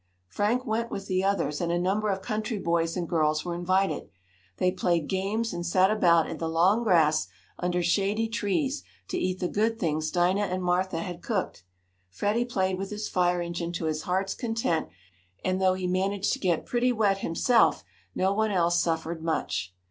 Frank went with the others, and a number of country boys and girls were invited. They played games and sat about in the long grass under shady trees to eat the good things Dinah and Martha had cooked. Freddie played with his fire engine to his heart's content, and, though he managed to get pretty wet himself, no one else suffered much.